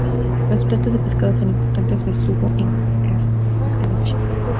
Los platos de pescado son importantes besugo en escabeche.